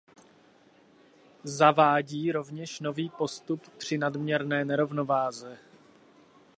Zavádí rovněž nový postup při nadměrné nerovnováze.